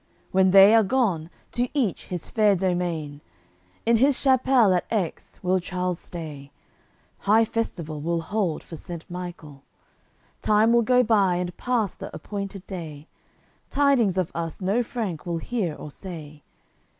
When they are gone, to each his fair domain, In his Chapelle at Aix will Charles stay, High festival will hold for Saint Michael. Time will go by, and pass the appointed day; Tidings of us no Frank will hear or say.